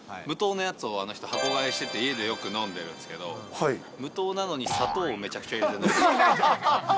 無糖のやつをあの人、箱買いしてて、家でよく飲んでるんですけど、無糖なのに砂糖をめちゃくちゃ入れるんですよ。